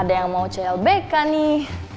ada yang mau clbk nih